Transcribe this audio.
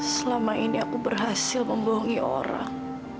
selama ini aku berhasil membohongi orang